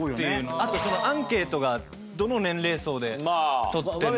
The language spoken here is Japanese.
あとそのアンケートがどの年齢層で取ってるのか。